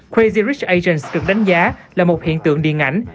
crazy rich asians được đánh giá là một hiện tượng điện ảnh